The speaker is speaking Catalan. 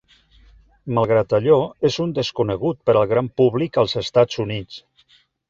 Malgrat allò, és un desconegut per al gran públic als Estats Units.